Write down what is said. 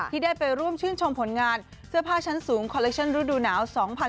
ที่ได้ไปร่วมชื่นชมผลงานเสื้อผ้าชั้นสูงคอลเลคชั่นฤดูหนาว๒๐๑๖